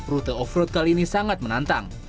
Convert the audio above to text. rute offroad kali ini sangat menantang